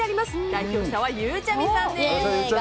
代表者はゆうちゃみさんです。